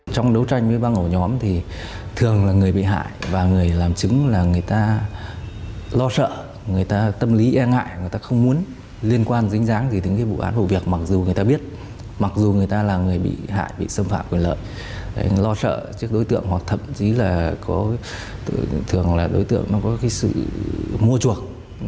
trong đấu tranh với băng ổ nhóm thì thường là người bị hại và người làm chứng là người ta lo sợ người ta tâm lý e ngại người ta không muốn liên quan dính dáng gì đến cái vụ án vụ việc mặc dù người ta biết mặc dù người ta là người bị hại bị xâm phạm quyền lợi lo sợ trước đối tượng hoặc thậm chí là có thường là đối tượng nó có cái sự mua chuộc